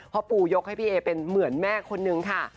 ปูยกให้พี่เอเป็นเหมือนแม่คนนึงค่ะ